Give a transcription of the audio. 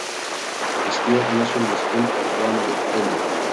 Asistió la National School of Drama en Delhi.